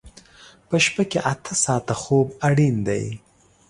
په شپه کې اته ساعته خوب اړین دی.